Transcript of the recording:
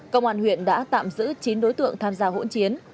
công an huyện đã tạm giữ chín đối tượng tham gia hỗn chiến